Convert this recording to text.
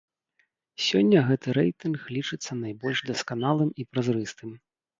Сёння гэты рэйтынг лічыцца найбольш дасканалым і празрыстым.